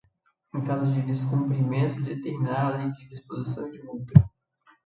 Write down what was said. em caso de descumprimento, determinar, além da imposição de multa